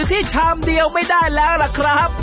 ที่ชามเดียวไม่ได้แล้วล่ะครับ